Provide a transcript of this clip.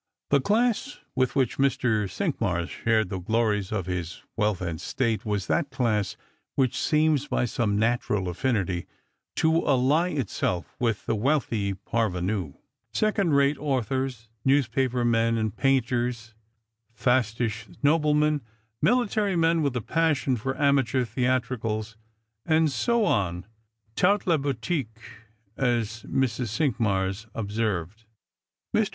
The class with which Mr. Cinqmars shared the glories of his wealth and state was that class which seems by some natural affinity to ally itself with the wealthy parvenu — second rate authors, newspaper men, and painters, fastish noblemen, military men with a passion for amateur theatricals, and so on; toute la boutique, as Mrs. Cinqmars observed. Mr.